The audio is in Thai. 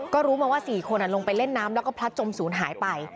ก็รู้มาว่า๔คนลงไปเล่นน้ำแล้วก็พลัดจมศูนย์หายไป